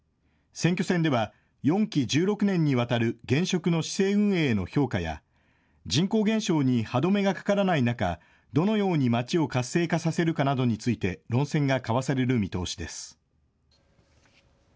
選挙戦では４期１６年にわたる現職の市政運営への評価や人口減少に歯止めがかからない中、どのようにまちを活性化させるかなどについて論戦が交わされる見通しです。